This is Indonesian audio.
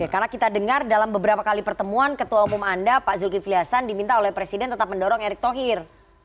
karena kita dengar dalam beberapa kali pertemuan ketua umum anda pak yulgi fliassan diminta oleh presiden tetap mendorong erick thohir